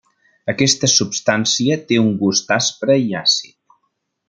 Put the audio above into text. Aquesta substància té un gust aspre i àcid.